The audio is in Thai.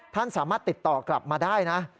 ท่านสามารถติดต่อกลับมาได้นะ